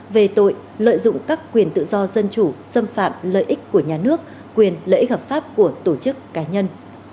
về tội lợi dụng các quyền tự do dân chủ xâm phạm lợi ích của nhà nước quyền lợi ích hợp pháp của tổ chức cá nhân